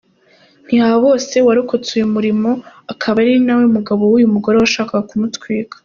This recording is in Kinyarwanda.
Ntihabose warokotse uyu muriro akaba ari nawe mugabo w’uyu mugore washakaga kumutwika.